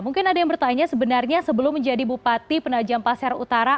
mungkin ada yang bertanya sebenarnya sebelum menjadi bupati penajam pasir utara